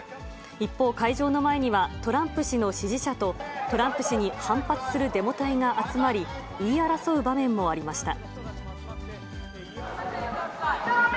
一方、会場の前にはトランプ氏の支持者と、トランプ氏に反発するデモ隊が集まり、言い争う場面もありました。